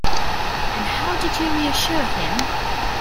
And how did you reassure him?